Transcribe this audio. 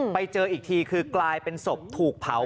ไปเจออีกทีคือกลายเป็นศพถูกเผา